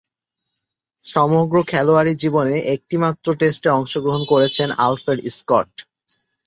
সমগ্র খেলোয়াড়ী জীবনে একটিমাত্র টেস্টে অংশগ্রহণ করেছেন আলফ্রেড স্কট।